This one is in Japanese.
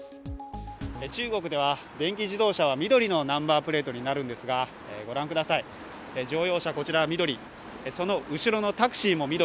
中国では電気自動車は緑のナンバープレートになるんですがご覧ください乗用車、こちらは緑その後ろのタクシーも緑。